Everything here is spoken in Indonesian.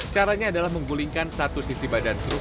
caranya adalah menggulingkan satu sisi badan truk